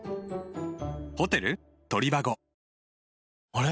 あれ？